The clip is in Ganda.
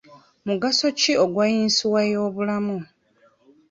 Mugaso ki ogwa yinsuwa y'obulamu?